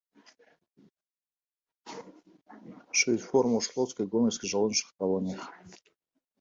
Шыюць форму ў шклоўскай і гомельскай жаночай калоніях.